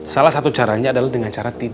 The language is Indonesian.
salah satu caranya adalah dengan cara